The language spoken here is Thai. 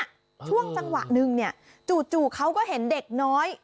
ช่วงจังหวะนึงเนี่ยจู่เขาก็เห็นเด็กน้อย